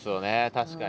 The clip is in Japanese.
確かに。